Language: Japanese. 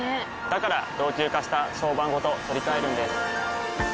から老朽化した床版ごと取り替えるんです。